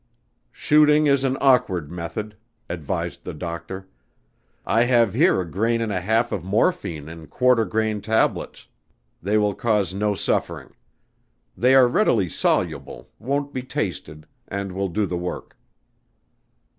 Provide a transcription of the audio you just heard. "Shooting is an awkward method," advised the doctor. "I have here a grain and a half of morphine in quarter grain tablets. They will cause no suffering. They are readily soluble, won't be tasted, and will do the work."